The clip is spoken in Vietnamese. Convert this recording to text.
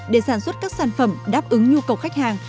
để sản xuất các sản phẩm đáp ứng nhu cầu khách hàng